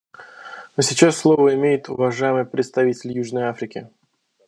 А сейчас слово имеет уважаемый представитель Южной Африки.